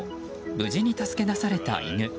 無事に助け出された犬。